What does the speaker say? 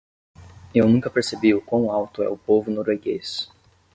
Eu nunca percebi o quão alto é o povo norueguês.